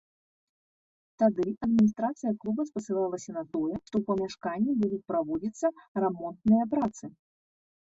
Тады адміністрацыя клуба спасылалася на тое, што ў памяшканні будуць праводзіцца рамонтныя працы.